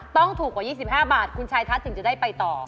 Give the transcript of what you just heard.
ต้องถูกกว่า๒๕บาทคุณชายทัศน์ถึงจะได้ไปต่อ